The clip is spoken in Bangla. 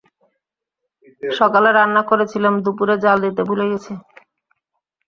সকালে রান্না করেছিলাম, দুপুরে জ্বাল দিতে ভুলে গেচি।